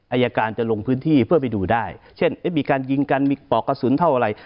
อายการจะลงพื้นที่เพื่อไปดูได้เช่นมีการยิงกันมีปอกกระสุนเท่าไหร่